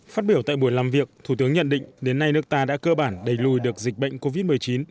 phát biểu tại buổi làm việc thủ tướng nhận định đến nay nước ta đã cơ bản đầy lùi được dịch bệnh covid một mươi chín